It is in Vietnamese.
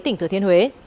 tỉnh thừa thiên huế